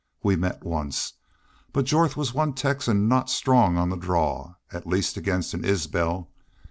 We met once. But Jorth was one Texan not strong on the draw, at least against an Isbel.